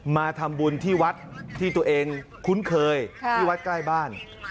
มาทำบุญที่วัดที่ตัวเองคุ้นเคยที่วัดใกล้บ้าน